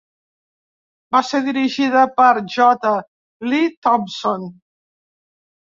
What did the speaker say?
Va ser dirigida per J. Lee Thompson.